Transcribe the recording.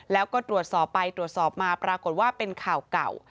แล้วก็ตรวจสอบไปตรวจสอบมาปรากฏว่าเป็นข่าวเก่า